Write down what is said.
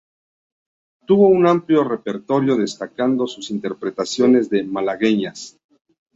Tuvo un amplio repertorio destacando sus interpretaciones de malagueñas.